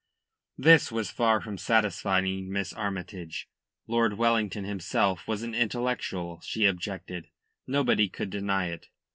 This was far from satisfying Miss Armytage. Lord Wellington himself was an intellectual, she objected. Nobody could deny it.